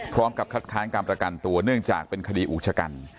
พร้อมกับคัดค้านการประกันตัวเนื่องจากเป็นคดีอุกชกัน